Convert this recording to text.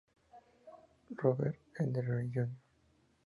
Robert Etheridge, Jr.